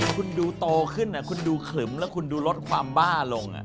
คุณดูโตขึ้นคุณดูขลึมแล้วคุณดูลดความบ้าลง